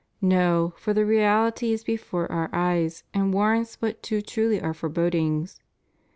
No; for the reality is before our eyes and warrants but too truly Our forebodings.